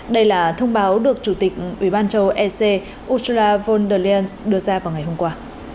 đây là thông báo được chủ tịch ubancho ec ustrala von der leyen đưa ra vào ngày hôm qua